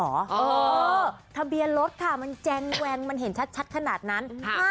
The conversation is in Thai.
เออทะเบียนรถค่ะมันแจงแวงมันเห็นชัดขนาดนั้น